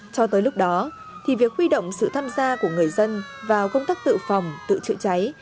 cho tới lúc đó thì việc huy động sự tham gia của người dân vào công tác tự phòng tự chữa cháy